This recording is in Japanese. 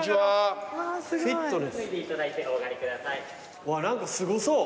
うわ何かすごそう。